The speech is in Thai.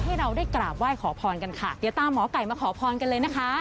ให้เราได้กราบไหว้ขอพรกันค่ะเดี๋ยวตามหมอไก่มาขอพรกันเลยนะคะ